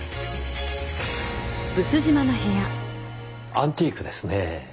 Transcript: アンティークですねぇ。